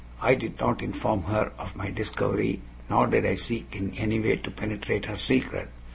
I did not inform her of my discovery, nor did I seek in any way to penetrate her secret.